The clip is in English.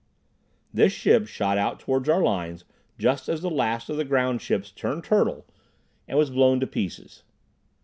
This ship shot out toward our lines just as the last of the groundships turned turtle and was blown to pieces.